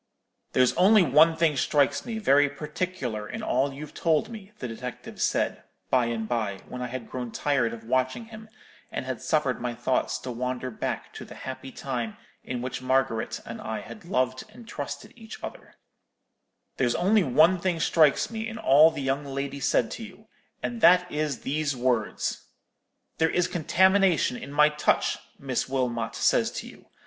"'There's only one thing strikes me very particular in all you've told me,' the detective said, by and by, when I had grown tired of watching him, and had suffered my thoughts to wander back to the happy time in which Margaret and I had loved and trusted each other; 'there's only one thing strikes me in all the young lady said to you, and that is these words—'There is contamination in my touch,' Miss Wilmot says to you.